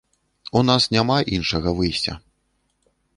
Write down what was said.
У нас няма іншага выйсця.